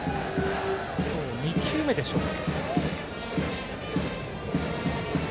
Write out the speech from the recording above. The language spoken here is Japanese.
今日２球目でしょうか。